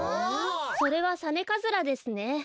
それはサネカズラですね。